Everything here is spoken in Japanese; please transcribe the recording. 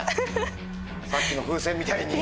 さっきの風船みたいに。